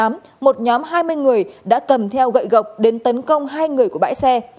một nhóm hai mươi người đã cầm theo gậy gộc đến tấn công hai người của bãi xe